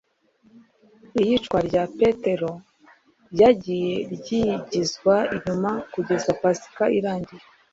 iyicwa rya Petero ryagiye ryigizwa inyuma kugeza Pasika irangiye.